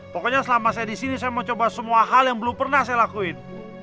pokoknya selama saya di sini saya mau coba semua hal yang belum pernah saya lakuin